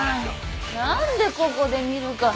何でここで見るかなあ。